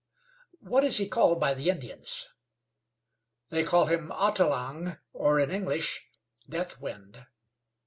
"What is he called by the Indians?" "They call him Atelang, or, in English, Deathwind."